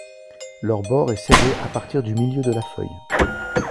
Leurs bord est serrée à partir du milieu de la feuille.